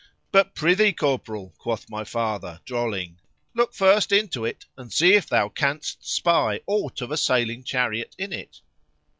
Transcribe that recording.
But prithee, Corporal, quoth my father, drolling,—look first into it, and see if thou canst spy aught of a sailing chariot in it.